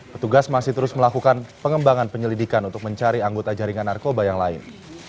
petugas masih terus melakukan pengembangan penyelidikan untuk mencari anggota jaringan narkoba yang lain